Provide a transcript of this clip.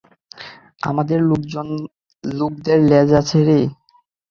আমাদের লোকেদের লেজ আছে রে?